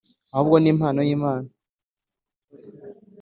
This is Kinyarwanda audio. ahubwo ni impano y'Imana;